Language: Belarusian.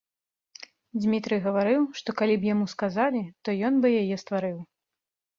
Дзмітрый гаварыў, што калі б яму сказалі, то ён бы яе стварыў.